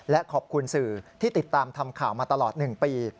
และขอบคุณสื่อที่ติดตามทำข่าวมาตลอด๑ปี